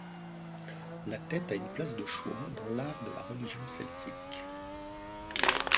La tête a une place de choix dans l'art et la religion celtiques.